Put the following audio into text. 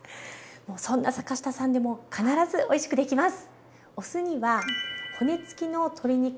そんな坂下さんでも必ずおいしくできます。